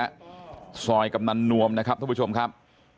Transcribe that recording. เกิดเหตุนะฮะซอยกำลังนวมนะครับทุกผู้ชมครับ